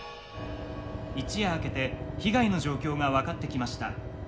「一夜明けて被害の状況が分かってきました。